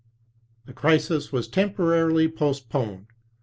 The crisis was temporarily postponed.